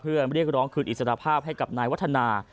เพื่อเรียกร้องคืนอิสรภาพให้กับนายวัฒนา